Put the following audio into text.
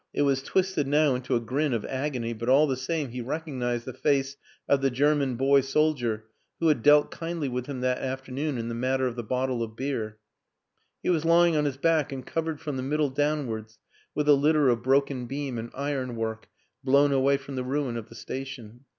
It was twisted now into a grin of agony, but all the same he recognized the face of the German boy soldier who had dealt kindly with him that afternoon in the matter of the bottle of beer. He was lying on his back and covered from the middle down wards with a litter of broken beam and ironwork blown away from the ruin of the station.